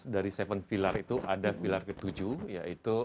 dari seven pillar itu ada pillar ke tujuh yaitu